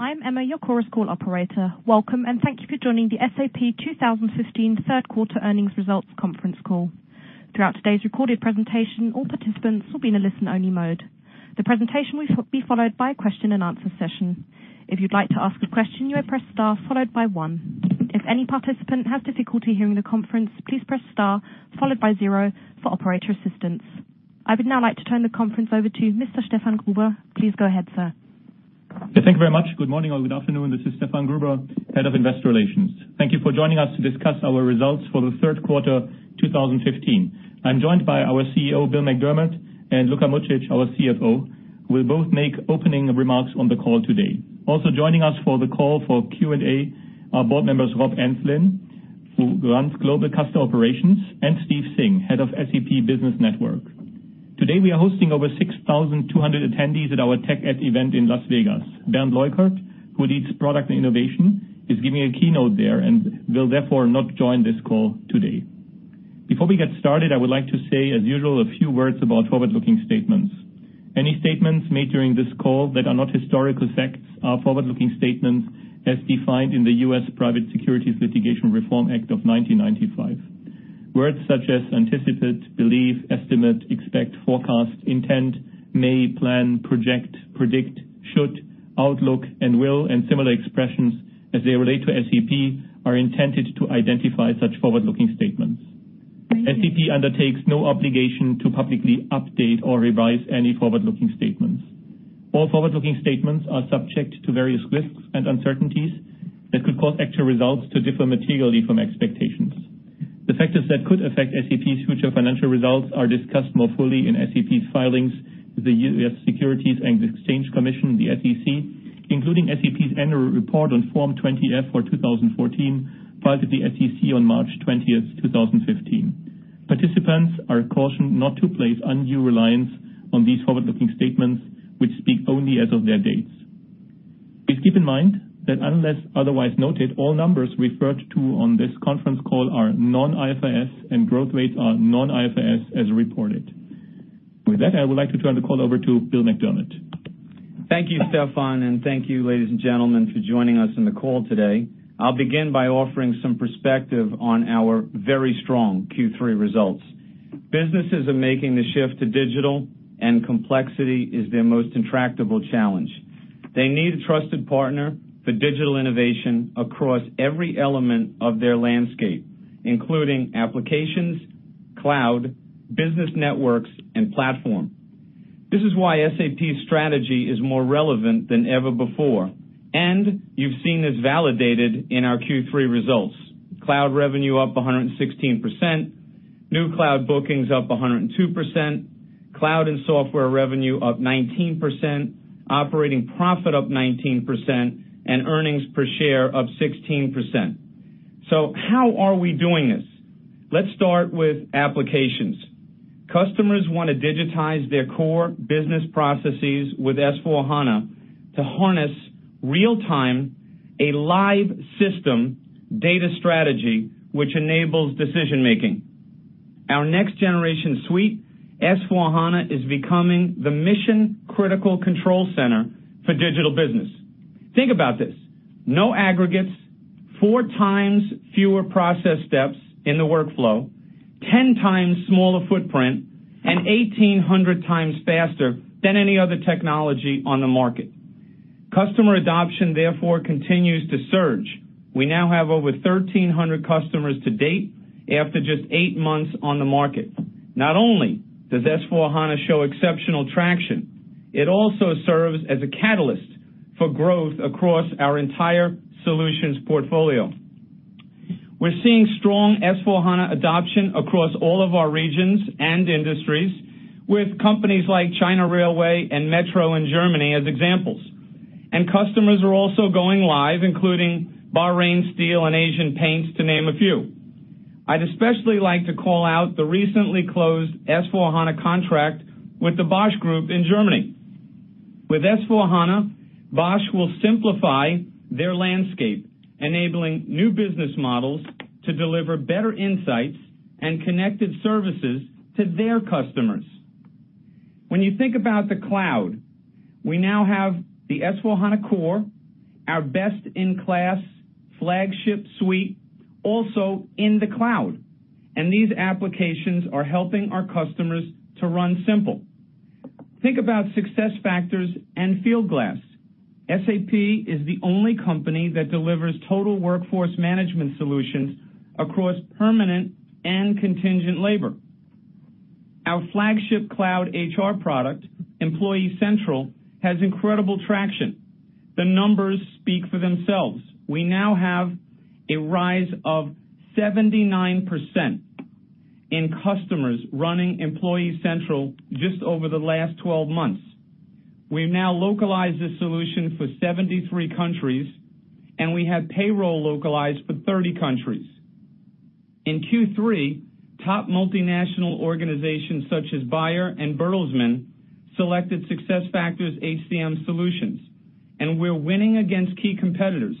I'm Emma, your Chorus Call operator. Welcome, and thank you for joining the SAP 2015 third quarter earnings results conference call. Throughout today's recorded presentation, all participants will be in a listen-only mode. The presentation will be followed by a question and answer session. If you'd like to ask a question, you will press star followed by one. If any participant has difficulty hearing the conference, please press star followed by zero for operator assistance. I would now like to turn the conference over to Mr. Stefan Gruber. Please go ahead, sir. Thank you very much. Good morning or good afternoon. This is Stefan Gruber, Head of Investor Relations. Thank you for joining us to discuss our results for the third quarter 2015. I'm joined by our CEO, Bill McDermott, and Luka Mucic, our CFO, who will both make opening remarks on the call today. Also joining us for the call for Q&A are board members Rob Enslin, who runs Global Customer Operations, and Steve Singh, Head of SAP Business Network. Today, we are hosting over 6,200 attendees at our SAP TechEd event in Las Vegas. Bernd Leukert, who leads Product Innovation, is giving a keynote there and will therefore not join this call today. Before we get started, I would like to say, as usual, a few words about forward-looking statements. Any statements made during this call that are not historical facts are forward-looking statements as defined in the U.S. Private Securities Litigation Reform Act of 1995. Words such as anticipate, believe, estimate, expect, forecast, intend, may, plan, project, predict, should, outlook, and will, and similar expressions as they relate to SAP, are intended to identify such forward-looking statements. SAP undertakes no obligation to publicly update or revise any forward-looking statements. All forward-looking statements are subject to various risks and uncertainties that could cause actual results to differ materially from expectations. The factors that could affect SAP's future financial results are discussed more fully in SAP's filings with the U.S. Securities and Exchange Commission, the SEC, including SAP's annual report on Form 20-F for 2014 filed with the SEC on March 20th, 2015. Participants are cautioned not to place undue reliance on these forward-looking statements, which speak only as of their dates. Please keep in mind that unless otherwise noted, all numbers referred to on this conference call are non-IFRS and growth rates are non-IFRS as reported. I would like to turn the call over to Bill McDermott. Thank you, Stefan, and thank you, ladies and gentlemen, for joining us on the call today. I'll begin by offering some perspective on our very strong Q3 results. Businesses are making the shift to digital, and complexity is their most intractable challenge. They need a trusted partner for digital innovation across every element of their landscape, including applications, cloud, business networks, and platform. This is why SAP's strategy is more relevant than ever before, and you've seen this validated in our Q3 results. Cloud revenue up 116%, new cloud bookings up 102%, cloud and software revenue up 19%, operating profit up 19%, and earnings per share up 16%. How are we doing this? Let's start with applications. Customers want to digitize their core business processes with S/4HANA to harness real-time, a live system data strategy which enables decision-making. Our next generation suite, S/4HANA, is becoming the mission-critical control center for digital business. Think about this. No aggregates, four times fewer process steps in the workflow, 10 times smaller footprint, and 1,800 times faster than any other technology on the market. Customer adoption, therefore, continues to surge. We now have over 1,300 customers to date after just eight months on the market. Not only does S/4HANA show exceptional traction, it also serves as a catalyst for growth across our entire solutions portfolio. We're seeing strong S/4HANA adoption across all of our regions and industries with companies like China Railway and Metro in Germany as examples. Customers are also going live, including Bahrain Steel and Asian Paints, to name a few. I'd especially like to call out the recently closed S/4HANA contract with the Bosch Group in Germany. With S/4HANA, Bosch will simplify their landscape, enabling new business models to deliver better insights and connected services to their customers. When you think about the cloud, we now have the S/4HANA Core, our best-in-class flagship suite, also in the cloud. These applications are helping our customers to run simple. Think about SuccessFactors and Fieldglass. SAP is the only company that delivers total workforce management solutions across permanent and contingent labor. Our flagship cloud HR product, Employee Central, has incredible traction. The numbers speak for themselves. We now have a rise of 79% in customers running Employee Central just over the last 12 months. We've now localized this solution for 73 countries, and we have payroll localized for 30 countries. In Q3, top multinational organizations such as Bayer and Bertelsmann selected SuccessFactors HCM solutions. We're winning against key competitors,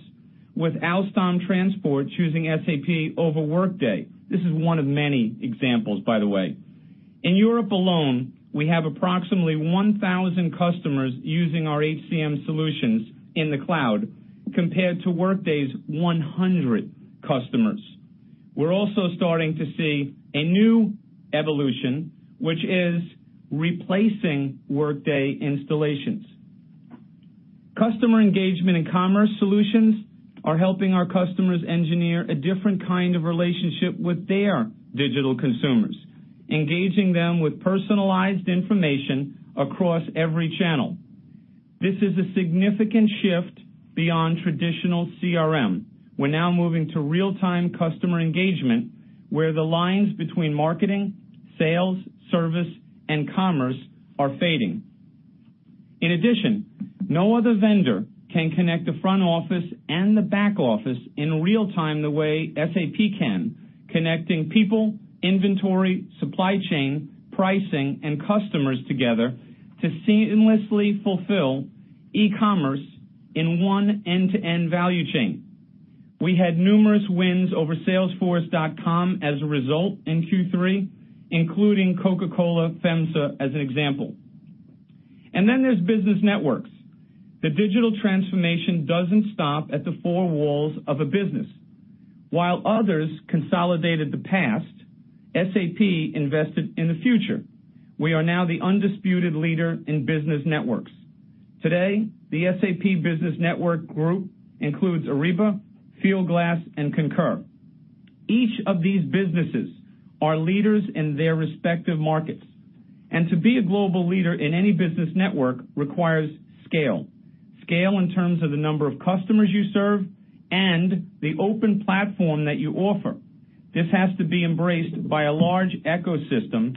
with Alstom Transport choosing SAP over Workday. This is one of many examples, by the way. In Europe alone, we have approximately 1,000 customers using our HCM solutions in the cloud compared to Workday's 100 customers. We're also starting to see a new evolution, which is replacing Workday installations. Customer engagement and commerce solutions are helping our customers engineer a different kind of relationship with their digital consumers, engaging them with personalized information across every channel. This is a significant shift beyond traditional CRM. We're now moving to real-time customer engagement where the lines between marketing, sales, service, and commerce are fading. In addition, no other vendor can connect the front office and the back office in real time the way SAP can, connecting people, inventory, supply chain, pricing, and customers together to seamlessly fulfill e-commerce in one end-to-end value chain. We had numerous wins over Salesforce as a result in Q3, including Coca-Cola FEMSA, as an example. There's business networks. The digital transformation doesn't stop at the four walls of a business. While others consolidated the past, SAP invested in the future. We are now the undisputed leader in business networks. Today, the SAP Business Network group includes Ariba, Fieldglass, and Concur. Each of these businesses are leaders in their respective markets. To be a global leader in any business network requires scale. Scale in terms of the number of customers you serve and the open platform that you offer. This has to be embraced by a large ecosystem.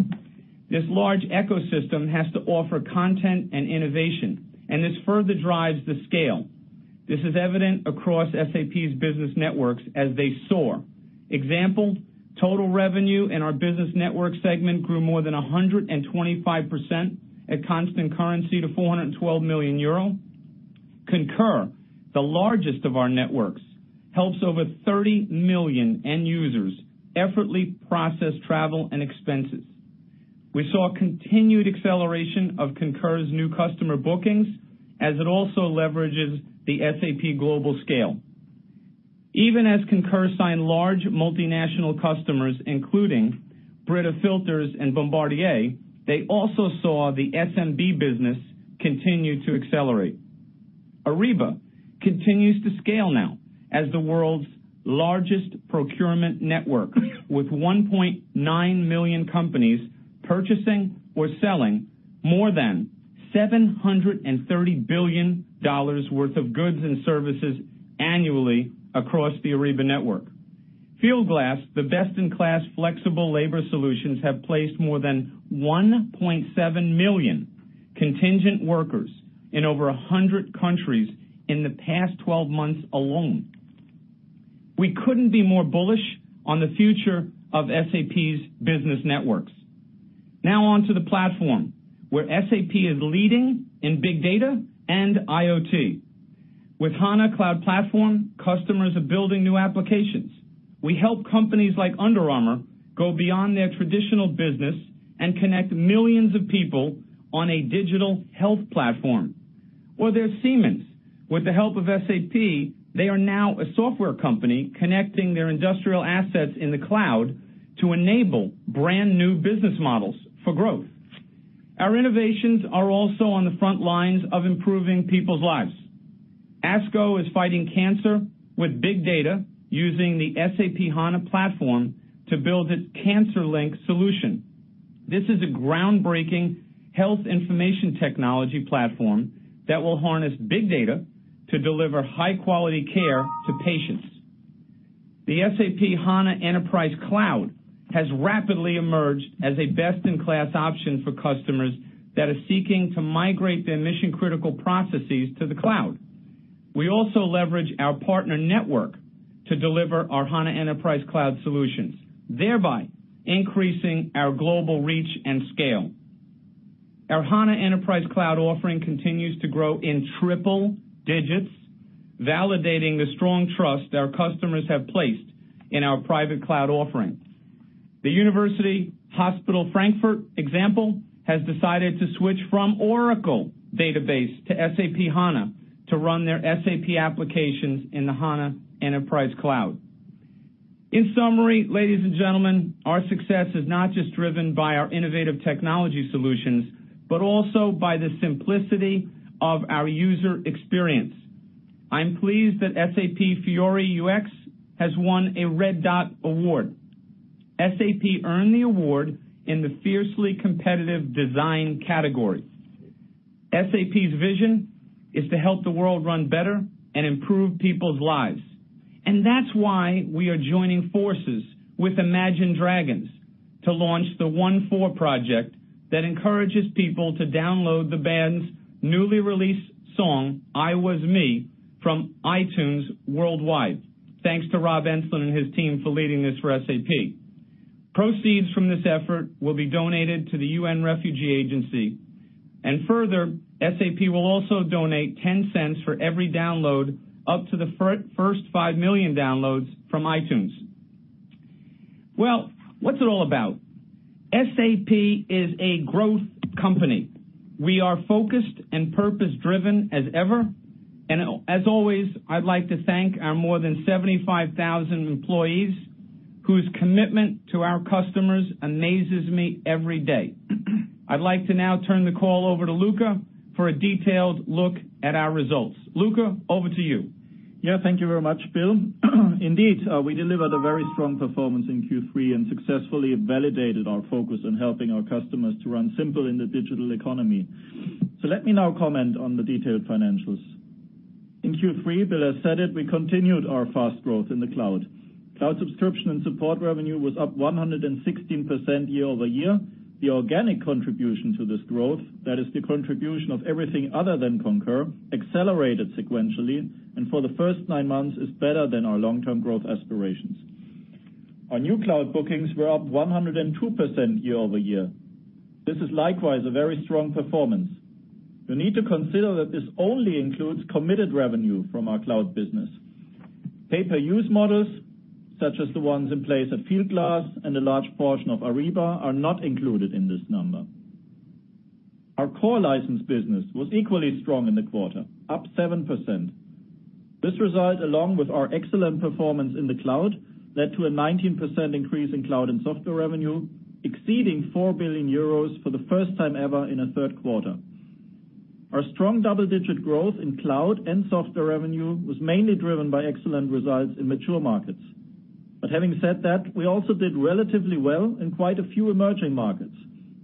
This large ecosystem has to offer content and innovation, and this further drives the scale. This is evident across SAP's business networks as they soar. Example, total revenue in our business network segment grew more than 125% at constant currency to 412 million euro. Concur, the largest of our networks, helps over 30 million end users effortlessly process travel and expenses. We saw continued acceleration of Concur's new customer bookings as it also leverages the SAP global scale. Even as Concur signed large multinational customers, including Brita and Bombardier, they also saw the SMB business continue to accelerate. Ariba continues to scale now as the world's largest procurement network, with 1.9 million companies purchasing or selling more than EUR 730 billion worth of goods and services annually across the Ariba Network. Fieldglass, the best-in-class flexible labor solutions have placed more than 1.7 million contingent workers in over 100 countries in the past 12 months alone. We couldn't be more bullish on the future of SAP's business networks. On to the platform, where SAP is leading in big data and IoT. With HANA Cloud Platform, customers are building new applications. We help companies like Under Armour go beyond their traditional business and connect millions of people on a digital health platform. There's Siemens. With the help of SAP, they are now a software company connecting their industrial assets in the cloud to enable brand-new business models for growth. Our innovations are also on the front lines of improving people's lives. ASCO is fighting cancer with big data using the SAP HANA platform to build its CancerLinQ solution. This is a groundbreaking health information technology platform that will harness big data to deliver high-quality care to patients. The SAP HANA Enterprise Cloud has rapidly emerged as a best-in-class option for customers that are seeking to migrate their mission-critical processes to the cloud. We also leverage our partner network to deliver our HANA Enterprise Cloud solutions, thereby increasing our global reach and scale. Our HANA Enterprise Cloud offering continues to grow in triple digits, validating the strong trust our customers have placed in our private cloud offering. The University Hospital Frankfurt example has decided to switch from Oracle Database to SAP HANA to run their SAP applications in the HANA Enterprise Cloud. In summary, ladies and gentlemen, our success is not just driven by our innovative technology solutions, but also by the simplicity of our user experience. I'm pleased that SAP Fiori UX has won a Red Dot Award. SAP earned the award in the fiercely competitive design category. SAP's vision is to help the world run better and improve people's lives, that's why we are joining forces with Imagine Dragons to launch the One4 Project that encourages people to download the band's newly released song, "I Was Me," from iTunes worldwide. Thanks to Rob Enslin and his team for leading this for SAP. Proceeds from this effort will be donated to the UN Refugee Agency. Further, SAP will also donate $0.10 for every download up to the first 5 million downloads from iTunes. Well, what's it all about? SAP is a growth company. We are focused and purpose-driven as ever, and as always, I'd like to thank our more than 75,000 employees whose commitment to our customers amazes me every day. I'd like to now turn the call over to Luka for a detailed look at our results. Luka, over to you. Yeah. Thank you very much, Bill. Indeed, we delivered a very strong performance in Q3 and successfully validated our focus on helping our customers to run simple in the digital economy. Let me now comment on the detailed financials. In Q3, Bill has said it, we continued our fast growth in the cloud. Cloud subscription and support revenue was up 116% year-over-year. The organic contribution to this growth, that is the contribution of everything other than Concur, accelerated sequentially and for the first nine months is better than our long-term growth aspirations. Our new cloud bookings were up 102% year-over-year. This is likewise a very strong performance. You need to consider that this only includes committed revenue from our cloud business. Pay-per-use models, such as the ones in place at Fieldglass and a large portion of Ariba, are not included in this number. Our core license business was equally strong in the quarter, up 7%. This result, along with our excellent performance in the cloud, led to a 19% increase in cloud and software revenue, exceeding 4 billion euros for the first time ever in a third quarter. Our strong double-digit growth in cloud and software revenue was mainly driven by excellent results in mature markets. Having said that, we also did relatively well in quite a few emerging markets,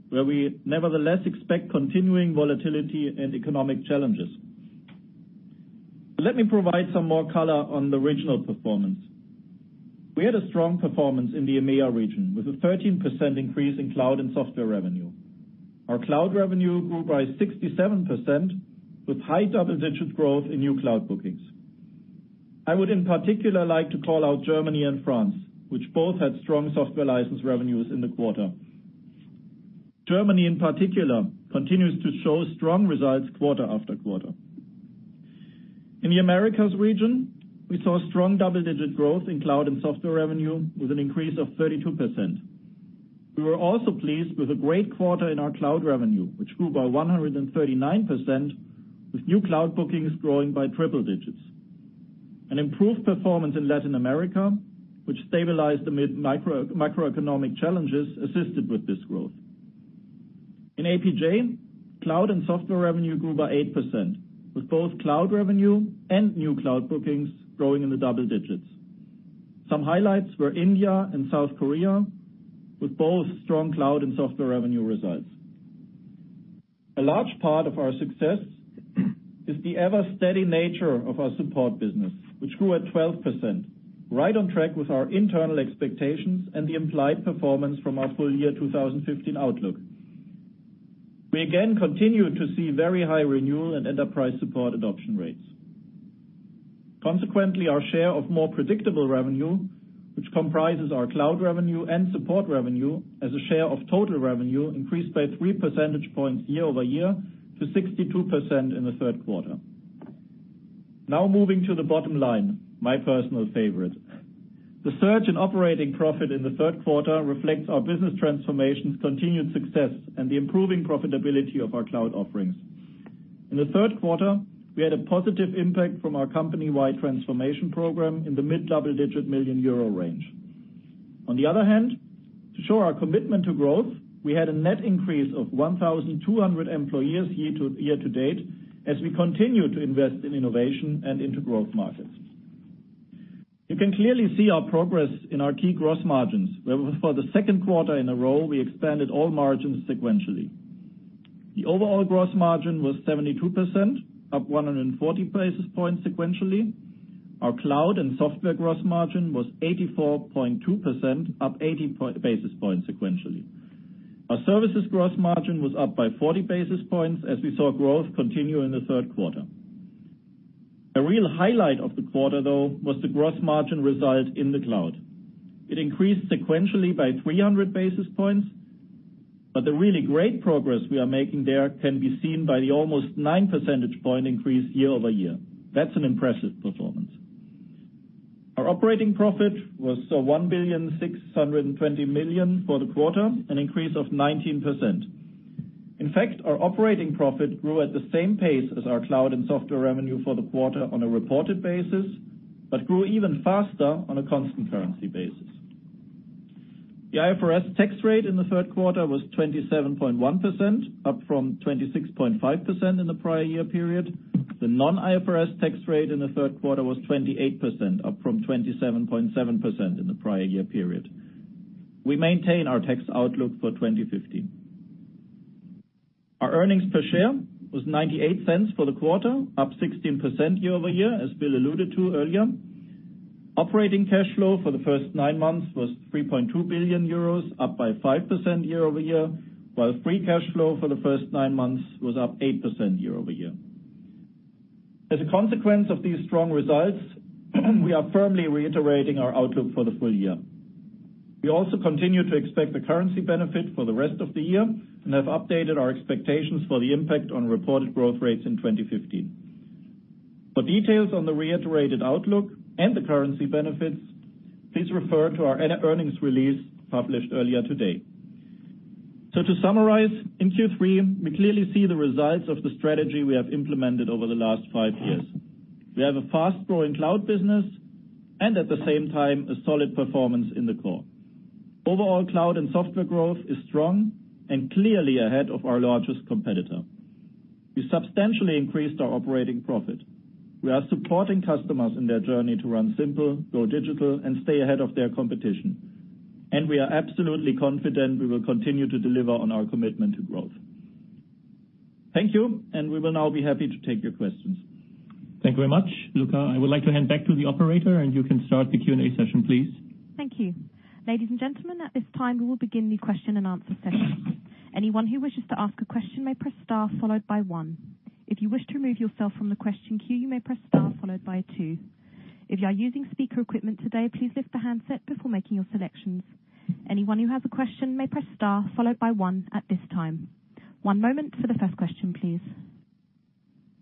where we nevertheless expect continuing volatility and economic challenges. Let me provide some more color on the regional performance. We had a strong performance in the EMEA region, with a 13% increase in cloud and software revenue. Our cloud revenue grew by 67%, with high double-digit growth in new cloud bookings. I would, in particular, like to call out Germany and France, which both had strong software license revenues in the quarter. Germany, in particular, continues to show strong results quarter after quarter. In the Americas region, we saw strong double-digit growth in cloud and software revenue, with an increase of 32%. We were also pleased with a great quarter in our cloud revenue, which grew by 139%, with new cloud bookings growing by triple digits. An improved performance in Latin America, which stabilized amid macroeconomic challenges, assisted with this growth. In APJ, cloud and software revenue grew by 8%, with both cloud revenue and new cloud bookings growing in the double digits. Some highlights were India and South Korea, with both strong cloud and software revenue results. A large part of our success is the ever steady nature of our support business, which grew at 12%, right on track with our internal expectations and the implied performance from our full year 2015 outlook. We again continue to see very high renewal and enterprise support adoption rates. Consequently, our share of more predictable revenue, which comprises our cloud revenue and support revenue as a share of total revenue, increased by three percentage points year-over-year to 62% in the third quarter. Moving to the bottom line, my personal favorite. The surge in operating profit in the third quarter reflects our business transformation's continued success and the improving profitability of our cloud offerings. In the third quarter, we had a positive impact from our company-wide transformation program in the mid double-digit million EUR range. On the other hand, to show our commitment to growth, we had a net increase of 1,200 employees year-to-date as we continue to invest in innovation and into growth markets. You can clearly see our progress in our key gross margins, where for the second quarter in a row, we expanded all margins sequentially. The overall gross margin was 72%, up 140 basis points sequentially. Our cloud and software gross margin was 84.2%, up 80 basis points sequentially. Our services gross margin was up by 40 basis points as we saw growth continue in the third quarter. A real highlight of the quarter, though, was the gross margin result in the cloud. It increased sequentially by 300 basis points, but the really great progress we are making there can be seen by the almost nine percentage point increase year-over-year. That's an impressive performance. Our operating profit was 1.62 billion for the quarter, an increase of 19%. In fact, our operating profit grew at the same pace as our cloud and software revenue for the quarter on a reported basis, but grew even faster on a constant currency basis. The IFRS tax rate in the third quarter was 27.1%, up from 26.5% in the prior year period. The non-IFRS tax rate in the third quarter was 28%, up from 27.7% in the prior year period. We maintain our tax outlook for 2015. Our earnings per share was $0.98 for the quarter, up 16% year-over-year, as Bill alluded to earlier. Operating cash flow for the first nine months was 3.2 billion euros, up by 5% year-over-year, while free cash flow for the first nine months was up 8% year-over-year. A consequence of these strong results, we are firmly reiterating our outlook for the full year. We also continue to expect the currency benefit for the rest of the year and have updated our expectations for the impact on reported growth rates in 2015. For details on the reiterated outlook and the currency benefits, please refer to our earnings release published earlier today. To summarize, in Q3, we clearly see the results of the strategy we have implemented over the last five years. We have a fast-growing cloud business and at the same time, a solid performance in the core. Overall cloud and software growth is strong and clearly ahead of our largest competitor. We substantially increased our operating profit. We are supporting customers in their journey to run simple, go digital, and stay ahead of their competition. We are absolutely confident we will continue to deliver on our commitment to growth. Thank you. We will now be happy to take your questions. Thank you very much, Luka. I would like to hand back to the operator, and you can start the Q&A session, please. Thank you. Ladies and gentlemen, at this time, we will begin the question and answer session. Anyone who wishes to ask a question may press star followed by one. If you wish to remove yourself from the question queue, you may press star followed by two. If you are using speaker equipment today, please lift the handset before making your selections. Anyone who has a question may press star followed by one at this time. One moment for the first question, please.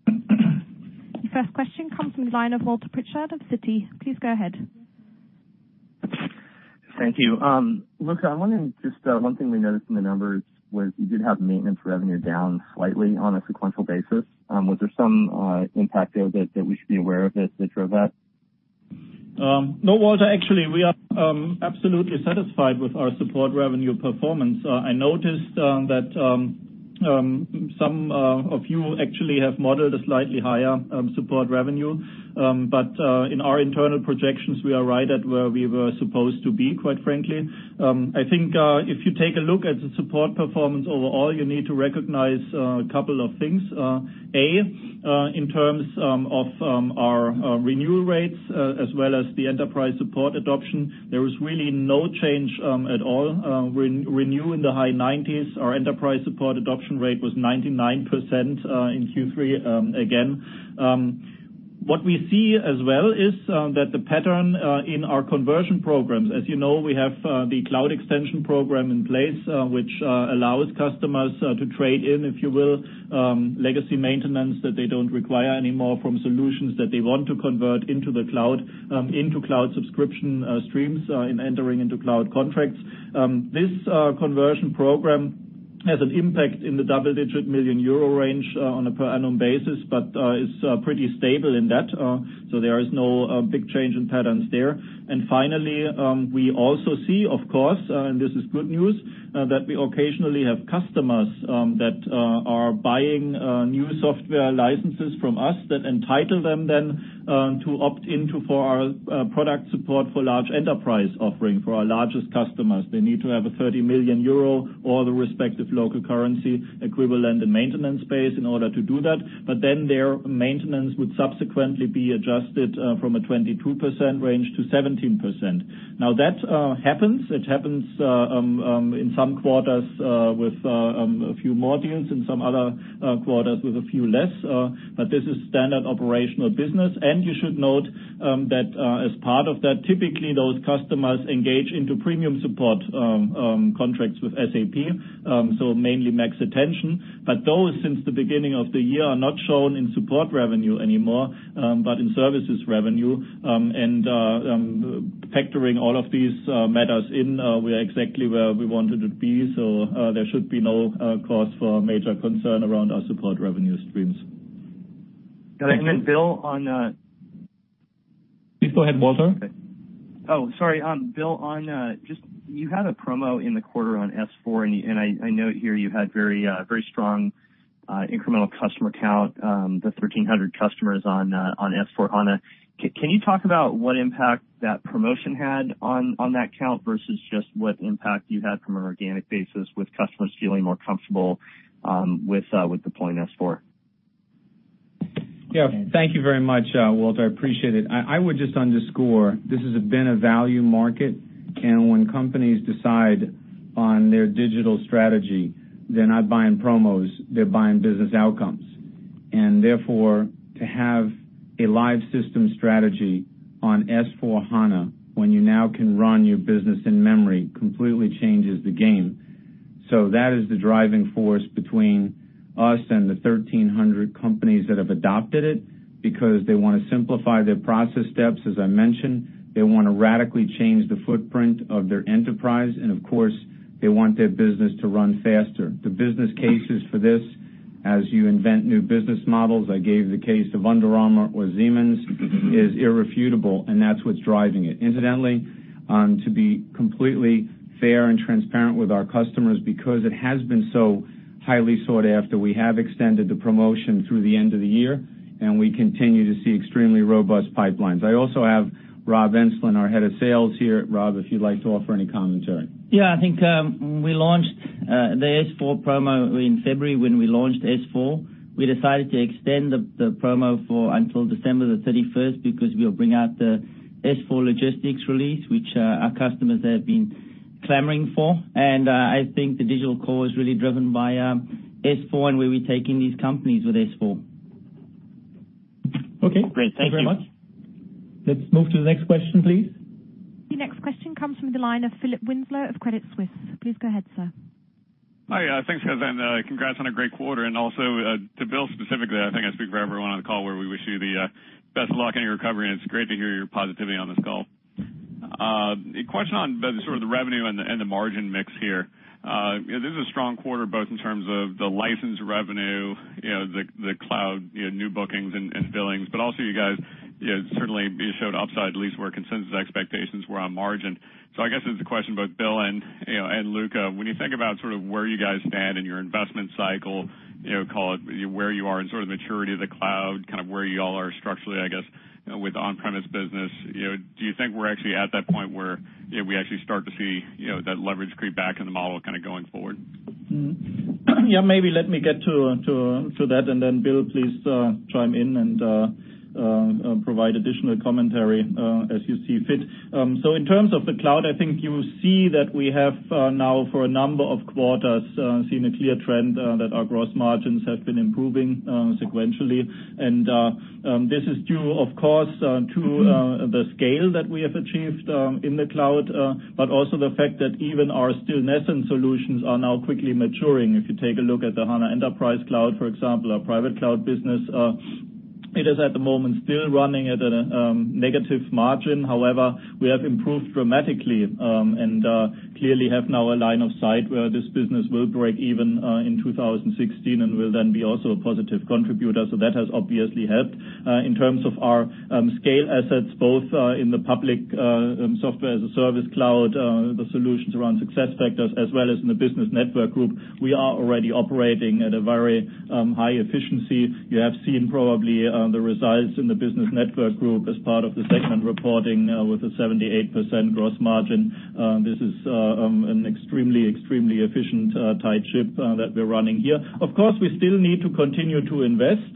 The first question comes from the line of Walter Pritchard of Citi. Please go ahead. Thank you. One thing we noticed in the numbers was you did have maintenance revenue down slightly on a sequential basis. Was there some impact there that we should be aware of that drove that? No, Walter. Actually, we are absolutely satisfied with our support revenue performance. I noticed that some of you actually have modeled a slightly higher support revenue. In our internal projections, we are right at where we were supposed to be, quite frankly. I think, if you take a look at the support performance overall, you need to recognize a couple of things. A, in terms of our renewal rates, as well as the Enterprise Support adoption, there was really no change at all. Renew in the high 90s. Our Enterprise Support adoption rate was 99% in Q3, again. What we see as well is that the pattern in our conversion programs. As you know, we have the Cloud Extension Program in place, which allows customers to trade in, if you will, legacy maintenance that they don't require anymore from solutions that they want to convert into the cloud, into cloud subscription streams in entering into cloud contracts. This conversion program has an impact in the double-digit million EUR range on a per annum basis, but is pretty stable in that. There is no big change in patterns there. Finally, we also see, of course, and this is good news, that we occasionally have customers that are buying new software licenses from us that entitle them then to opt in for our SAP Product Support for Large Enterprises offering for our largest customers. They need to have a €30 million or the respective local currency equivalent in maintenance space in order to do that. Their maintenance would subsequently be adjusted from a 22%-17% range. That happens. It happens in some quarters with a few more deals, in some other quarters with a few less. This is standard operational business. You should note that as part of that, typically, those customers engage into premium support contracts with SAP, mainly SAP MaxAttention. Those, since the beginning of the year, are not shown in support revenue anymore, but in services revenue. Factoring all of these matters in, we are exactly where we wanted to be. There should be no cause for major concern around our support revenue streams. Bill, on- Please go ahead, Walter. Oh, sorry. Bill, you had a promo in the quarter on S/4. I note here you had very strong incremental customer count, the 1,300 customers on S/4HANA. Can you talk about what impact that promotion had on that count versus just what impact you had from an organic basis with customers feeling more comfortable with deploying S/4? Yeah. Thank you very much, Walter. I appreciate it. I would just underscore this has been a value market. When companies decide on their digital strategy, they're not buying promos, they're buying business outcomes. To have a live system strategy on S/4HANA when you now can run your business in memory completely changes the game. That is the driving force between us and the 1,300 companies that have adopted it because they want to simplify their process steps, as I mentioned. They want to radically change the footprint of their enterprise. Of course, they want their business to run faster. The business cases for this, as you invent new business models, I gave the case of Under Armour or Siemens, is irrefutable. That's what's driving it. Incidentally, to be completely fair and transparent with our customers because it has been so highly sought after, we have extended the promotion through the end of the year. We continue to see extremely robust pipelines. I also have Rob Enslin, our head of sales here. Rob, if you'd like to offer any commentary. Yeah, I think, we launched the S/4 promo in February when we launched S/4. We decided to extend the promo until December the 31st because we'll bring out the S/4 logistics release, which our customers have been clamoring for, I think the digital core is really driven by S/4 and where we're taking these companies with S/4. Okay. Great. Thank you. Thank you very much. Let's move to the next question, please. The next question comes from the line of Philip Winslow of Credit Suisse. Please go ahead, sir. Hi. Thanks, guys, congrats on a great quarter, also to Bill specifically, I think I speak for everyone on the call where we wish you the best of luck in your recovery, and it's great to hear your positivity on this call. A question on sort of the revenue and the margin mix here. This is a strong quarter, both in terms of the licensed revenue, the cloud new bookings and billings, also you guys certainly showed upside at least where consensus expectations were on margin. I guess this is a question both Bill and Luka. When you think about sort of where you guys stand in your investment cycle, call it where you are in sort of maturity of the cloud, kind of where you all are structurally, I guess, with on-premise business. Do you think we're actually at that point where we actually start to see that leverage creep back in the model kind of going forward? Yeah, maybe let me get to that, then Bill, please chime in and provide additional commentary, as you see fit. In terms of the cloud, I think you see that we have now for a number of quarters, seen a clear trend that our gross margins have been improving sequentially. This is due, of course, to the scale that we have achieved in the cloud. also the fact that even our still nascent solutions are now quickly maturing. If you take a look at the HANA Enterprise Cloud, for example, our private cloud business, it is at the moment still running at a negative margin. However, we have improved dramatically, clearly have now a line of sight where this business will break even in 2016 will then be also a positive contributor. That has obviously helped. In terms of our scale assets, both in the public software as a service cloud, the solutions around SuccessFactors, as well as in the business network group, we are already operating at a very high efficiency. You have seen probably the results in the business network group as part of the segment reporting with a 78% gross margin. This is an extremely efficient, tight ship that we're running here. Of course, we still need to continue to invest.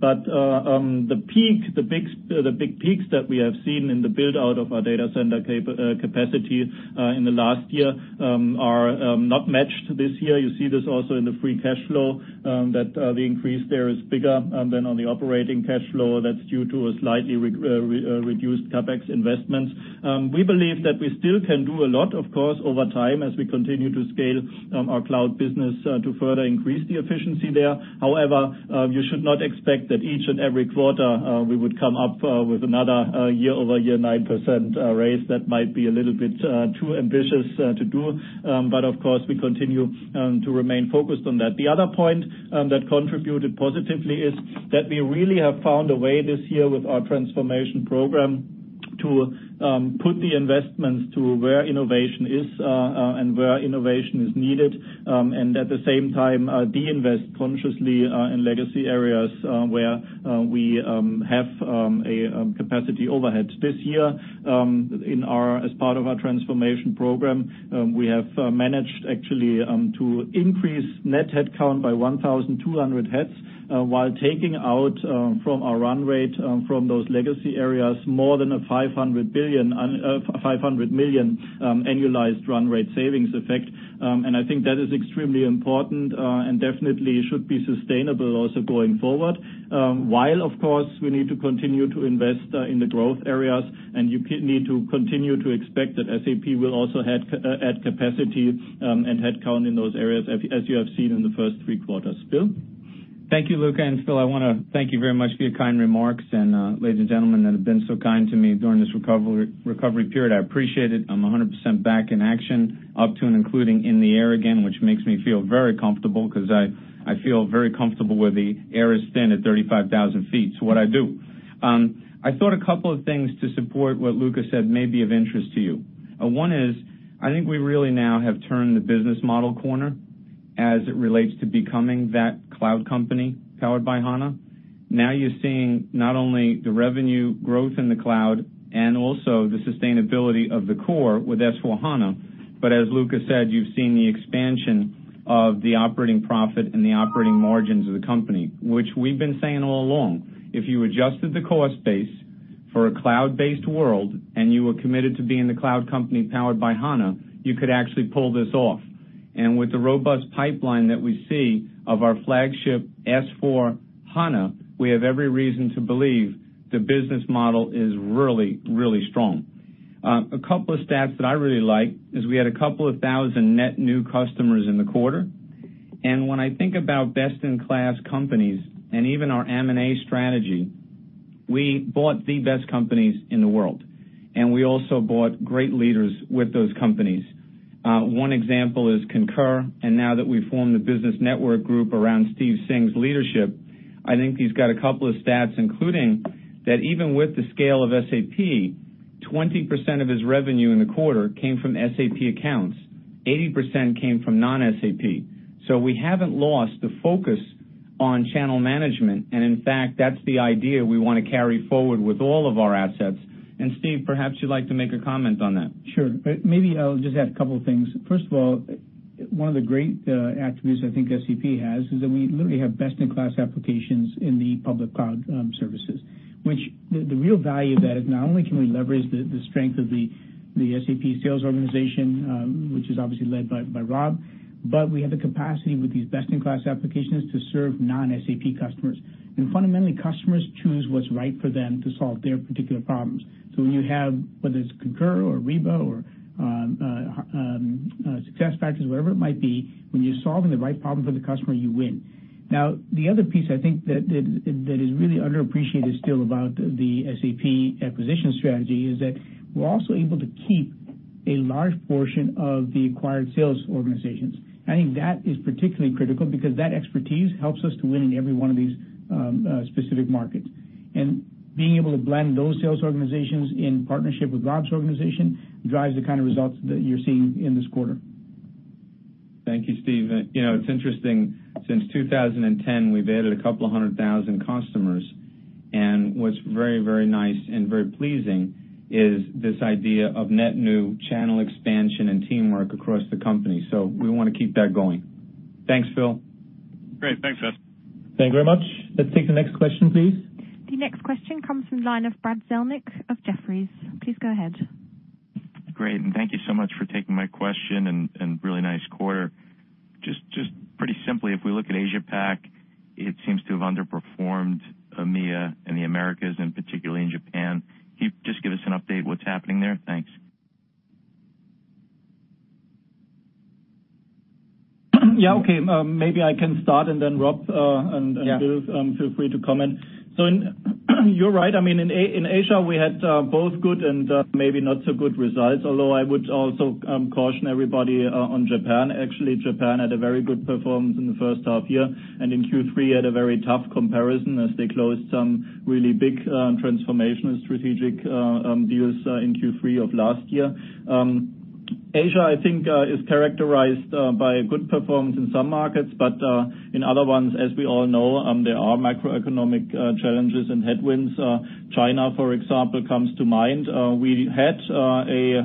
the big peaks that we have seen in the build-out of our data center capacity in the last year, are not matched this year. You see this also in the free cash flow, that the increase there is bigger than on the operating cash flow. That's due to a slightly reduced CapEx investment. We believe that we still can do a lot, of course, over time as we continue to scale our cloud business to further increase the efficiency there. However, you should not expect that each and every quarter, we would come up with another year-over-year, 9% raise. That might be a little bit too ambitious to do. Of course, we continue to remain focused on that. The other point that contributed positively is that we really have found a way this year with our transformation program to put the investments to where innovation is, and where innovation is needed. At the same time, de-invest consciously in legacy areas, where we have a capacity overhead. This year, as part of our transformation program, we have managed actually, to increase net headcount by 1,200 heads, while taking out from our run rate from those legacy areas, more than a 500 million annualized run rate savings effect. I think that is extremely important, and definitely should be sustainable also going forward. Of course, we need to continue to invest in the growth areas, you need to continue to expect that SAP will also add capacity, and headcount in those areas as you have seen in the first three quarters. Bill? Thank you, Luka. Phil, I want to thank you very much for your kind remarks. Ladies and gentlemen that have been so kind to me during this recovery period. I appreciate it. I'm 100% back in action up to and including in the air again, which makes me feel very comfortable because I feel very comfortable where the air is thin at 35,000 feet. It's what I do. I thought a couple of things to support what Luka said may be of interest to you. One is, I think we really now have turned the business model corner as it relates to becoming that cloud company powered by HANA. Now you're seeing not only the revenue growth in the cloud and also the sustainability of the core with S/4HANA, but as Luka said, you've seen the expansion of the operating profit and the operating margins of the company, which we've been saying all along. If you adjusted the cost base for a cloud-based world, and you were committed to being the cloud company powered by HANA, you could actually pull this off. With the robust pipeline that we see of our flagship S/4HANA, we have every reason to believe the business model is really strong. A couple of stats that I really like is we had a couple of thousand net new customers in the quarter. When I think about best-in-class companies and even our M&A strategy, we bought the best companies in the world. We also bought great leaders with those companies. One example is Concur. Now that we've formed the business network group around Steve Singh's leadership, I think he's got a couple of stats, including that even with the scale of SAP, 20% of his revenue in the quarter came from SAP accounts, 80% came from non-SAP. We haven't lost the focus on channel management. In fact, that's the idea we want to carry forward with all of our assets. Steve, perhaps you'd like to make a comment on that. Sure. Maybe I'll just add a couple of things. One of the great attributes I think SAP has is that we literally have best-in-class applications in the public cloud services. The real value of that is not only can we leverage the strength of the SAP sales organization, which is obviously led by Rob, but we have the capacity with these best-in-class applications to serve non-SAP customers. Fundamentally, customers choose what's right for them to solve their particular problems. When you have, whether it's Concur or Ariba or SuccessFactors, whatever it might be, when you're solving the right problem for the customer, you win. The other piece I think that is really underappreciated still about the SAP acquisition strategy is that we're also able to keep a large portion of the acquired sales organizations. I think that is particularly critical because that expertise helps us to win in every one of these specific markets. Being able to blend those sales organizations in partnership with Rob's organization drives the kind of results that you're seeing in this quarter. Thank you, Steve. It's interesting, since 2010, we've added a couple of hundred thousand customers, and what's very, very nice and very pleasing is this idea of net new channel expansion and teamwork across the company. We want to keep that going. Thanks, Phil. Great. Thanks, guys. Thank you very much. Let's take the next question, please. The next question comes from the line of Brad Zelnick of Jefferies. Please go ahead. Great. Thank you so much for taking my question, and really nice quarter. Just pretty simply, if we look at Asia Pac, it seems to have underperformed EMEA and the Americas, and particularly in Japan. Can you just give us an update what's happening there? Thanks. Yeah. Okay. Maybe I can start and then Rob and Bill, feel free to comment. You're right. In Asia, we had both good and maybe not so good results, although I would also caution everybody on Japan. Actually, Japan had a very good performance in the first half year, and in Q3 had a very tough comparison as they closed some really big transformational strategic deals in Q3 of last year. Asia, I think is characterized by a good performance in some markets, but in other ones, as we all know, there are macroeconomic challenges and headwinds. China, for example, comes to mind. We had a,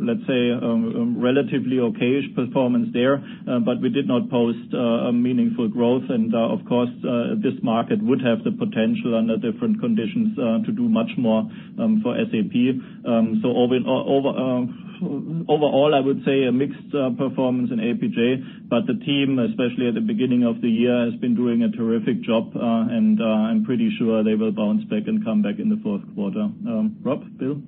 let's say, relatively okay-ish performance there, but we did not post a meaningful growth. Of course, this market would have the potential under different conditions to do much more for SAP. Overall, I would say a mixed performance in APJ, but the team, especially at the beginning of the year, has been doing a terrific job. I'm pretty sure they will bounce back and come back in the fourth quarter. Rob? Bill?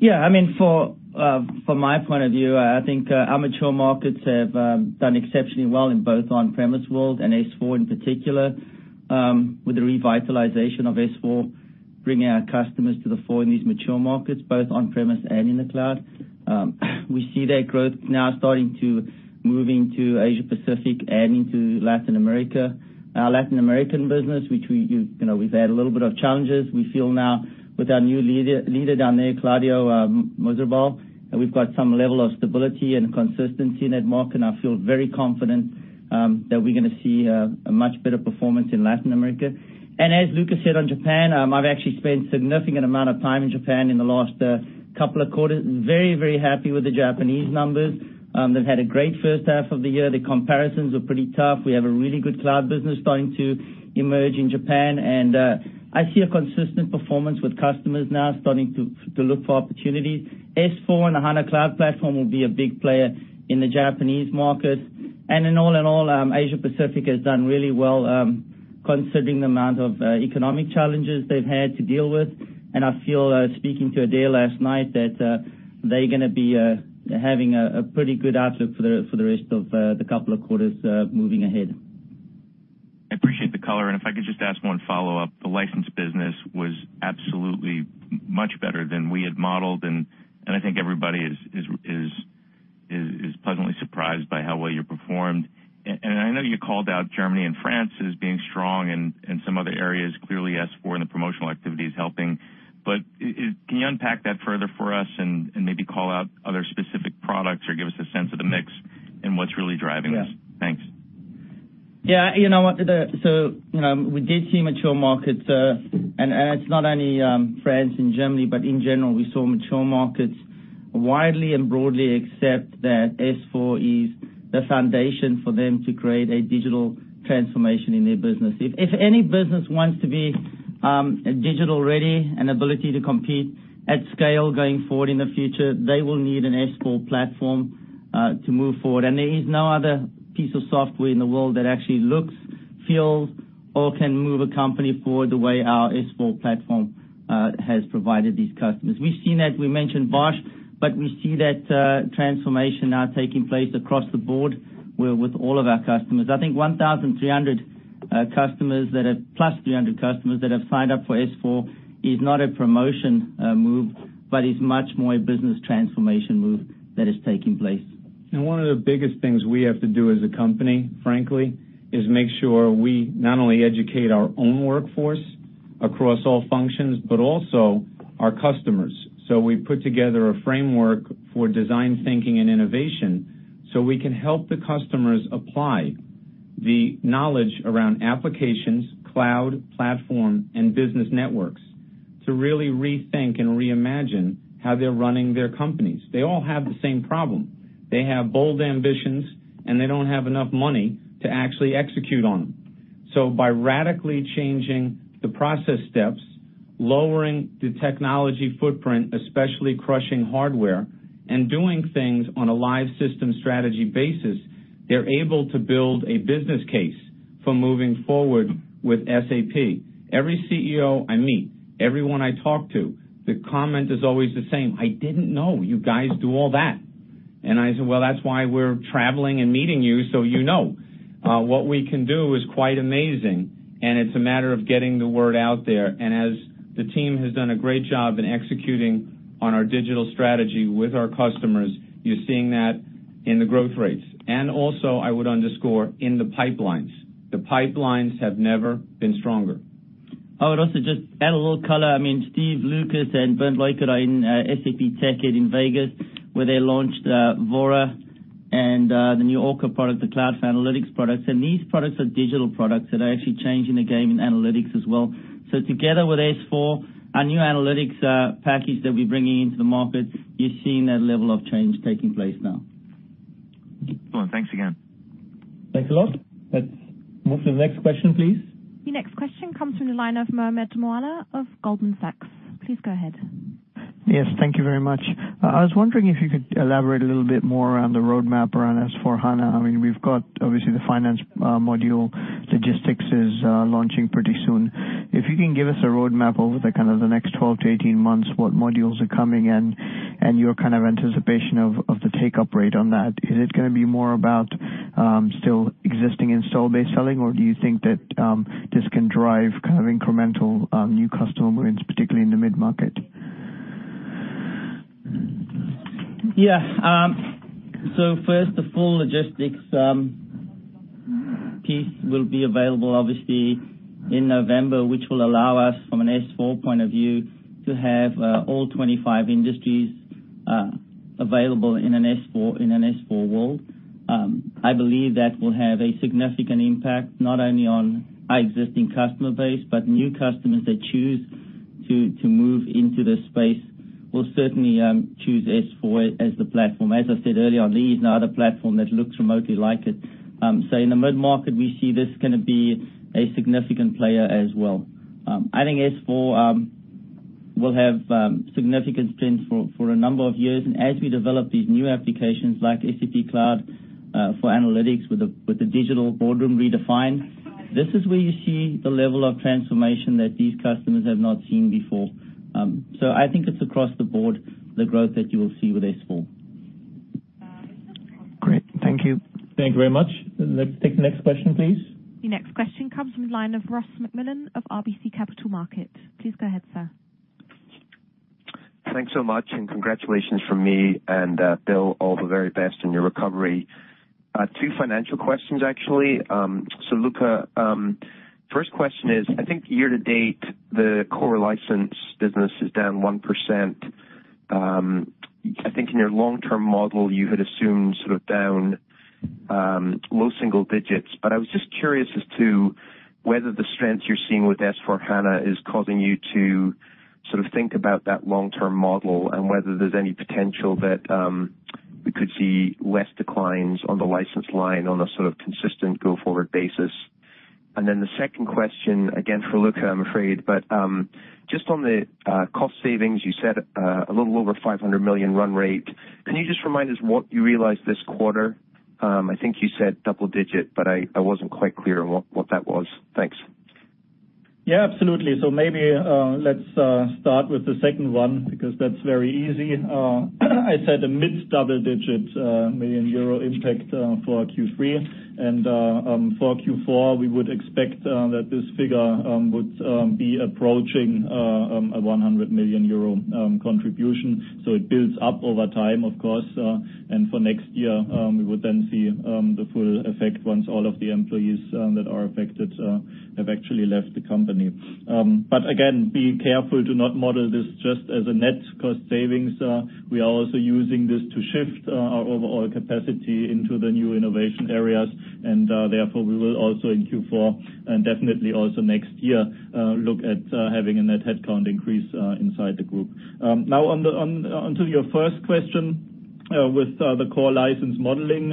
Yeah. From my point of view, I think our mature markets have done exceptionally well in both on-premise world and S/4 in particular, with the revitalization of S/4, bringing our customers to the fore in these mature markets, both on-premise and in the cloud. We see that growth now starting to move into Asia Pacific and into Latin America. Our Latin American business, which we've had a little bit of challenges, we feel now with our new leader down there, Claudio Muruzabal, we've got some level of stability and consistency in that market, and I feel very confident that we're going to see a much better performance in Latin America. As Luka said on Japan, I've actually spent a significant amount of time in Japan in the last couple of quarters. Very happy with the Japanese numbers. They've had a great first half of the year. The comparisons were pretty tough. We have a really good cloud business starting to emerge in Japan. I see a consistent performance with customers now starting to look for opportunities. S/4 and the HANA Cloud Platform will be a big player in the Japanese market. All in all, Asia Pacific has done really well, considering the amount of economic challenges they've had to deal with. I feel, speaking to Adaire last night, that they're going to be having a pretty good outlook for the rest of the couple of quarters moving ahead. I appreciate the color, if I could just ask one follow-up. The license business was absolutely much better than we had modeled, and I think everybody is pleasantly surprised by how well you performed. I know you called out Germany and France as being strong and some other areas, clearly S/4 and the promotional activity is helping. Can you unpack that further for us and maybe call out other specific products or give us a sense of the mix and what's really driving this? Yeah. Thanks. We did see mature markets, and it's not only France and Germany, but in general, we saw mature markets widely and broadly accept that S/4 is the foundation for them to create a digital transformation in their business. If any business wants to be digital ready and ability to compete at scale going forward in the future, they will need an S/4 platform to move forward. There is no other piece of software in the world that actually looks, feels, or can move a company forward the way our S/4 platform has provided these customers. We've seen that, we mentioned Bosch, but we see that transformation now taking place across the board with all of our customers. I think 1,300 customers that have, plus 300 customers that have signed up for S/4 is not a promotion move, but is much more a business transformation move that is taking place. One of the biggest things we have to do as a company, frankly, is make sure we not only educate our own workforce across all functions, but also our customers. We put together a framework for design thinking and innovation so we can help the customers apply The knowledge around applications, cloud platform, and business networks to really rethink and reimagine how they're running their companies. They all have the same problem. They have bold ambitions, and they don't have enough money to actually execute on them. By radically changing the process steps, lowering the technology footprint, especially crushing hardware, and doing things on a live system strategy basis, they're able to build a business case for moving forward with SAP. Every CEO I meet, everyone I talk to, the comment is always the same. "I didn't know you guys do all that." I say, "Well, that's why we're traveling and meeting you, so you know." What we can do is quite amazing, and it's a matter of getting the word out there. As the team has done a great job in executing on our digital strategy with our customers, you're seeing that in the growth rates. Also, I would underscore in the pipelines. The pipelines have never been stronger. I would also just add a little color. Steve Lucas and Bernd Leukert are in SAP TechEd in Vegas, where they launched Vora and the new ORCA product, the SAP Cloud for Analytics product. These products are digital products that are actually changing the game in analytics as well. Together with S/4, our new analytics package that we're bringing into the market, you're seeing that level of change taking place now. Well, thanks again. Thanks a lot. Let's move to the next question, please. The next question comes from the line of Mohammed Moawalla of Goldman Sachs. Please go ahead. Yes, thank you very much. I was wondering if you could elaborate a little bit more on the roadmap around S/4HANA. We've got, obviously, the finance module. Logistics is launching pretty soon. If you can give us a roadmap over the next 12 to 18 months, what modules are coming in, and your anticipation of the take-up rate on that. Is it going to be more about still existing install base selling, or do you think that this can drive incremental new customer wins, particularly in the mid-market? Yeah. First, the full logistics piece will be available, obviously, in November, which will allow us, from an S/4 point of view, to have all 25 industries available in an S/4 world. I believe that will have a significant impact, not only on our existing customer base, but new customers that choose to move into this space will certainly choose S/4 as the platform. As I said earlier on, there is no other platform that looks remotely like it. In the mid-market, we see this going to be a significant player as well. I think S/4 will have significant strength for a number of years. As we develop these new applications like SAP Cloud for Analytics with the Digital Boardroom redefined, this is where you see the level of transformation that these customers have not seen before. I think it's across the board, the growth that you will see with S/4. Great. Thank you. Thank you very much. Let's take the next question, please. The next question comes from the line of Ross MacMillan of RBC Capital Markets. Please go ahead, sir. Thanks so much, and congratulations from me, and Bill, all the very best in your recovery. Two financial questions, actually. Luka, first question is, I think year to date, the core license business is down 1%. I think in your long-term model, you had assumed down low single digits. I was just curious as to whether the strength you're seeing with S/4HANA is causing you to think about that long-term model and whether there's any potential that we could see less declines on the license line on a sort of consistent go-forward basis. The second question, again for Luka, I'm afraid, but just on the cost savings, you said a little over 500 million run rate. Can you just remind us what you realized this quarter? I think you said double digit, but I wasn't quite clear on what that was. Thanks. Yeah, absolutely. Maybe let's start with the second one because that's very easy. I said a mid-double-digit million EUR impact for Q3. For Q4, we would expect that this figure would be approaching a 100 million euro contribution. It builds up over time, of course. For next year, we would then see the full effect once all of the employees that are affected have actually left the company. Again, be careful to not model this just as a net cost savings. We are also using this to shift our overall capacity into the new innovation areas. Therefore, we will also in Q4, and definitely also next year, look at having a net headcount increase inside the group. Onto your first question with the core license modeling.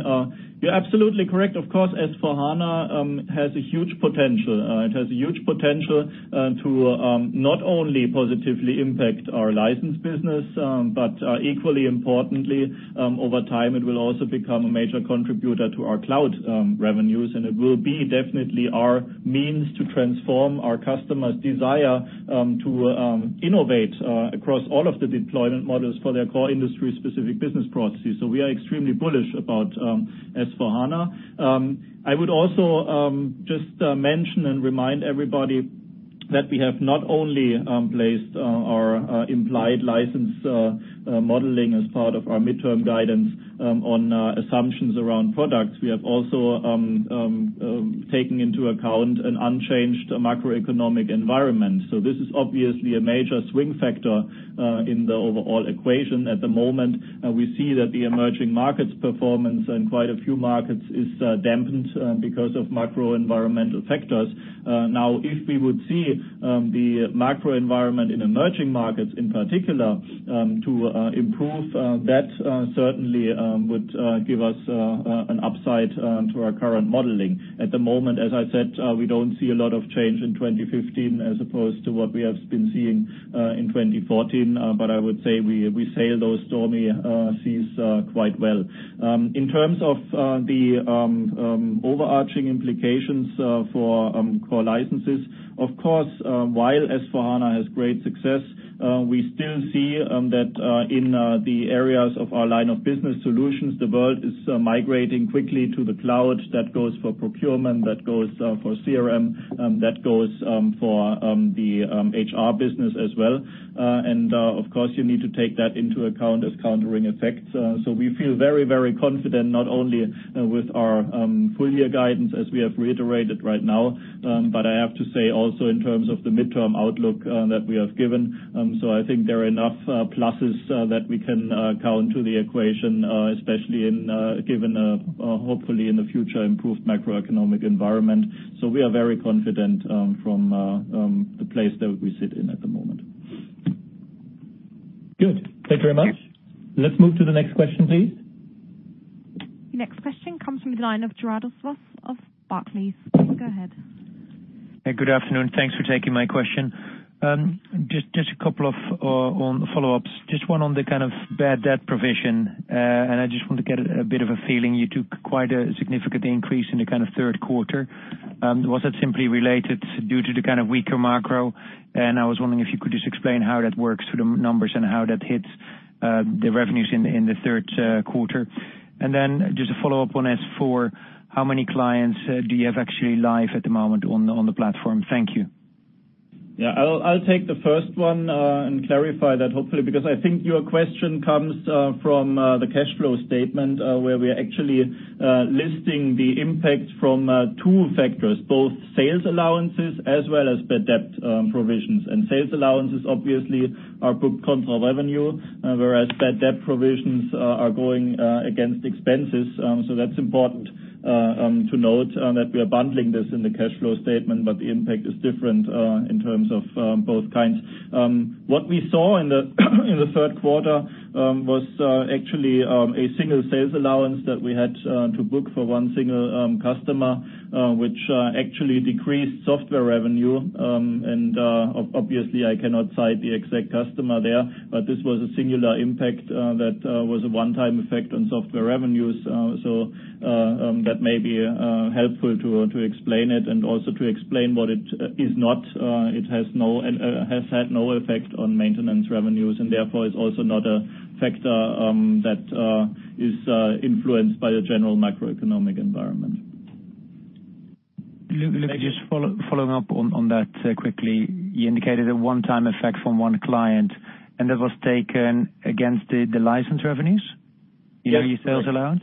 You're absolutely correct. Of course, S/4HANA has a huge potential. It has a huge potential to not only positively impact our license business, but equally importantly, over time, it will also become a major contributor to our cloud revenues, and it will be definitely our means to transform our customers' desire to innovate across all of the deployment models for their core industry-specific business processes. We are extremely bullish about S/4HANA. I would also just mention and remind everybody we have not only placed our implied license modeling as part of our midterm guidance on assumptions around products, we have also taken into account an unchanged macroeconomic environment. This is obviously a major swing factor in the overall equation at the moment. We see that the emerging markets performance in quite a few markets is dampened because of macro environmental factors. If we would see the macro environment in emerging markets, in particular, to improve, that certainly would give us an upside to our current modeling. At the moment, as I said, we don't see a lot of change in 2015 as opposed to what we have been seeing in 2014. I would say we sail those stormy seas quite well. In terms of the overarching implications for core licenses, of course, while S/4HANA has great success, we still see that in the areas of our line of business solutions, the world is migrating quickly to the cloud. That goes for procurement, that goes for CRM, that goes for the HR business as well. Of course, you need to take that into account as countering effects. We feel very, very confident not only with our full-year guidance as we have reiterated right now. I have to say also in terms of the midterm outlook that we have given. I think there are enough pluses that we can count to the equation, especially given, hopefully in the future, improved macroeconomic environment. We are very confident from the place that we sit in at the moment. Good. Thank you very much. Let's move to the next question, please. The next question comes from the line of Gerardus Vos of Barclays. Please go ahead. Good afternoon. Thanks for taking my question. Just a couple of follow-ups. Just one on the kind of bad debt provision. I just want to get a bit of a feeling. You took quite a significant increase in the kind of third quarter. Was that simply related due to the kind of weaker macro? I was wondering if you could just explain how that works through the numbers and how that hits the revenues in the third quarter. Then just a follow-up on S/4. How many clients do you have actually live at the moment on the platform? Thank you. Yeah, I'll take the first one and clarify that hopefully, because I think your question comes from the cash flow statement, where we are actually listing the impact from two factors, both sales allowances as well as bad debt provisions. Sales allowances obviously are booked control revenue, whereas bad debt provisions are going against expenses. That's important to note that we are bundling this in the cash flow statement, but the impact is different in terms of both kinds. What we saw in the third quarter was actually a single sales allowance that we had to book for one single customer, which actually decreased software revenue. Obviously I cannot cite the exact customer there, but this was a singular impact that was a one-time effect on software revenues. That may be helpful to explain it and also to explain what it is not. It has had no effect on maintenance revenues and therefore is also not a factor that is influenced by the general macroeconomic environment. Just following up on that quickly. You indicated a one-time effect from one client, and that was taken against the license revenues? Yes. Your sales allowance?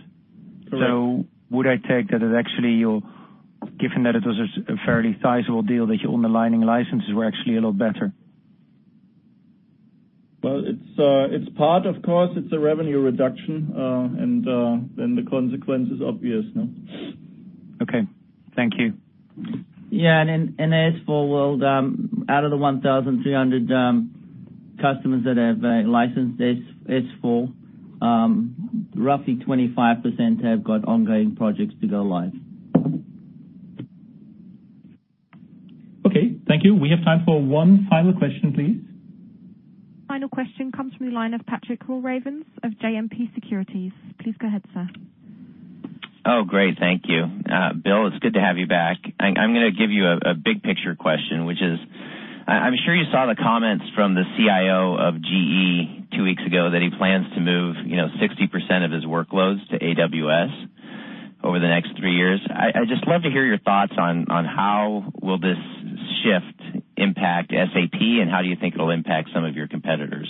Correct. Would I take that as actually, given that it was a fairly sizable deal, that your underlying licenses were actually a lot better? Well, it's part, of course, it's a revenue reduction, the consequence is obvious, no? Okay. Thank you. Yeah, in S/4 world, out of the 1,300 customers that have licensed S/4, roughly 25% have got ongoing projects to go live. Okay. Thank you. We have time for one final question, please. Final question comes from the line of Pat Walravens of JMP Securities. Please go ahead, sir. Oh, great. Thank you. Bill, it's good to have you back. I'm going to give you a big picture question, which is, I'm sure you saw the comments from the CIO of GE two weeks ago that he plans to move 60% of his workloads to AWS over the next three years. I'd just love to hear your thoughts on how will this shift impact SAP, and how do you think it'll impact some of your competitors?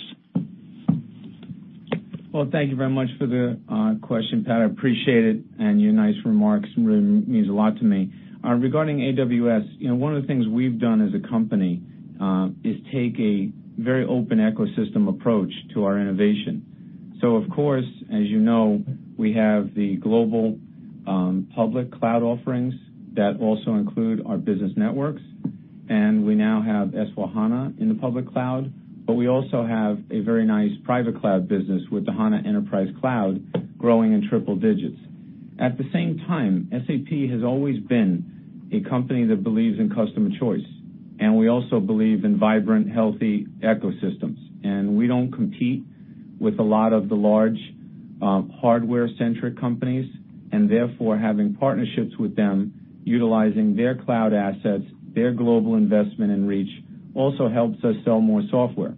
Thank you very much for the question, Pat. I appreciate it, and your nice remarks really means a lot to me. Regarding AWS, one of the things we've done as a company, is take a very open ecosystem approach to our innovation. Of course, as you know, we have the global public cloud offerings that also include our SAP Business Network, and we now have SAP S/4HANA in the public cloud. We also have a very nice private cloud business with the SAP HANA Enterprise Cloud growing in triple digits. At the same time, SAP has always been a company that believes in customer choice, and we also believe in vibrant, healthy ecosystems. We don't compete with a lot of the large hardware-centric companies, and therefore, having partnerships with them, utilizing their cloud assets, their global investment and reach, also helps us sell more software.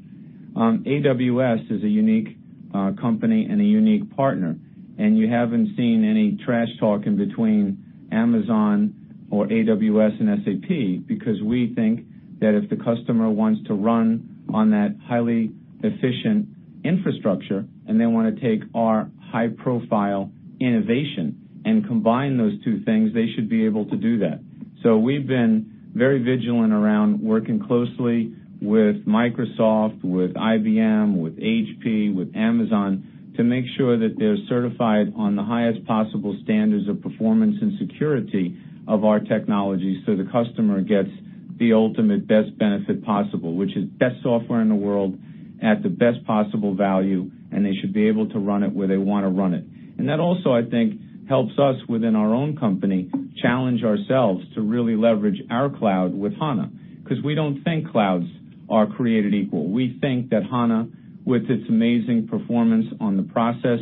AWS is a unique company and a unique partner, and you haven't seen any trash talking between Amazon or AWS and SAP because we think that if the customer wants to run on that highly efficient infrastructure and they want to take our high-profile innovation and combine those two things, they should be able to do that. We've been very vigilant around working closely with Microsoft, with IBM, with HP, with Amazon to make sure that they're certified on the highest possible standards of performance and security of our technology so the customer gets the ultimate best benefit possible. Which is best software in the world at the best possible value, and they should be able to run it where they want to run it. That also, I think, helps us within our own company challenge ourselves to really leverage our cloud with SAP HANA, because we don't think clouds are created equal. We think that SAP HANA, with its amazing performance on the process,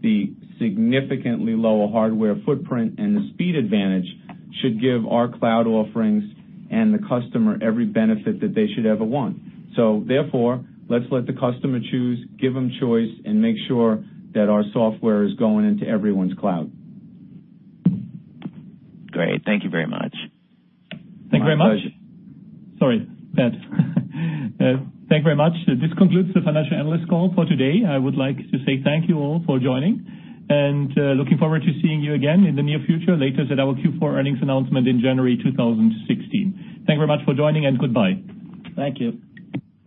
the significantly lower hardware footprint, and the speed advantage, should give our cloud offerings and the customer every benefit that they should ever want. Therefore, let's let the customer choose, give them choice, and make sure that our software is going into everyone's cloud. Great. Thank you very much. My pleasure. Thank you very much. Sorry, Pat. Thank you very much. This concludes the financial analyst call for today. I would like to say thank you all for joining, and looking forward to seeing you again in the near future later at our Q4 earnings announcement in January 2016. Thank you very much for joining, and goodbye. Thank you.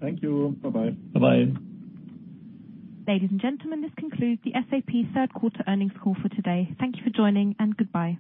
Thank you. Bye-bye. Bye-bye. Ladies and gentlemen, this concludes the SAP third quarter earnings call for today. Thank you for joining, and goodbye.